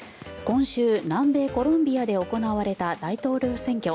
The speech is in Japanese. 今週、南米コロンビアで行われた大統領選挙。